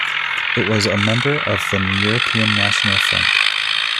It was a member of the European National Front.